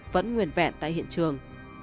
vẫn nguyền vẹn tại hiện trường